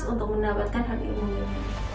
untuk mendapatkan harga umumnya